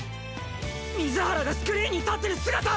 水原がスクリーンに立ってる姿！